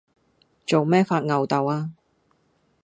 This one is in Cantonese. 做咩發漚豆呀？